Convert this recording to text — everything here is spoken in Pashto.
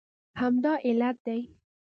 همدا علت دی